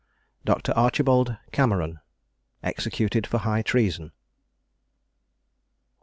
DOCTOR ARCHIBALD CAMERON. EXECUTED FOR HIGH TREASON.